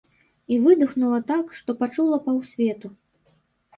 І выдыхнула так, што пачула паўсвету.